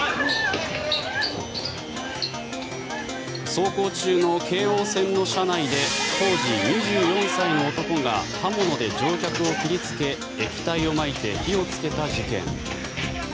走行中の京王線の車内で当時２４歳の男が刃物で乗客を切りつけ液体をまいて火をつけた事件。